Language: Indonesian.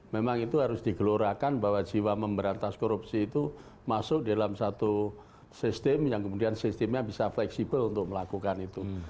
memang itu harus digelorakan bahwa jiwa memberantas korupsi itu masuk dalam satu sistem yang kemudian sistemnya bisa fleksibel untuk melakukan itu